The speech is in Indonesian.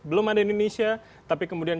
belum ada indonesia tapi kemudian